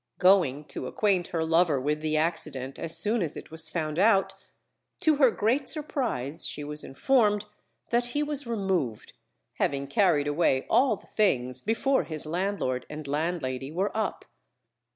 Going to acquaint her lover with the accident as soon as it was found out, to her great surprise she was informed that he was removed, having carried away all the things before his landlord and landlady were up.